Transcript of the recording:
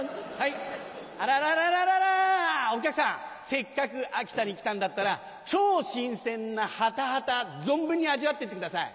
せっかく秋田に来たんだったら超新鮮なハタハタ存分に味わってってください。